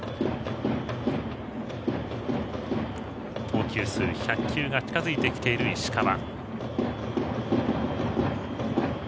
投球数１００球が近づいてきている石川。